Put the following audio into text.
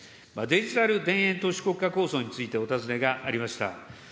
デジタル田園都市国家構想についてお尋ねがありました。